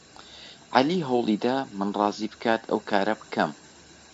عەلی هەوڵی دا من ڕازی بکات ئەو کارە بکەم.